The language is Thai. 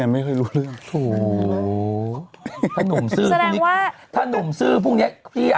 ผมเป็นคนซื่ออะนะ